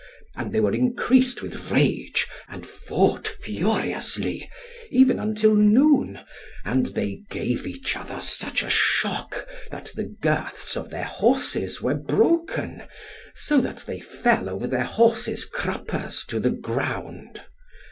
And they were increased with rage, and fought furiously, even until noon. And they gave each other such a shock, that the girths of their horses were broken, so that they fell over their horses' cruppers to the ground.